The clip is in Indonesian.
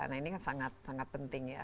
nah ini kan sangat sangat penting ya